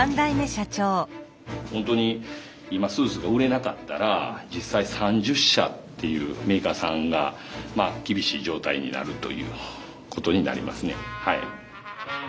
本当に今スーツが売れなかったら実際３０社っていうメーカーさんが厳しい状態になるということになりますね。